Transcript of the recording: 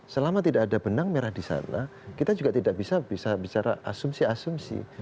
selama tidak ada benang merah di sana kita juga tidak bisa bicara asumsi asumsi